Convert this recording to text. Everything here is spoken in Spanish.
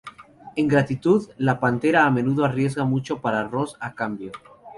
En gratitud, la Pantera a menudo arriesga mucho para Ross a cambio.